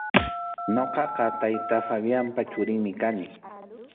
Ñuqaqa tayta Fabianpa churinmi kani.